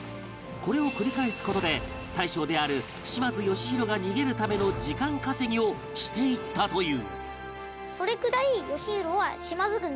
これを繰り返す事で大将である島津義弘が逃げるための時間稼ぎをしていったという